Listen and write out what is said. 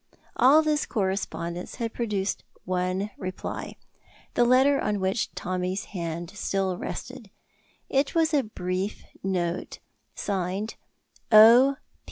All this correspondence had produced one reply, the letter on which Tommy's hand still rested. It was a brief note, signed "O.